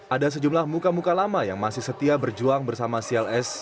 ada sejumlah muka muka lama yang masih setia berjuang bersama cls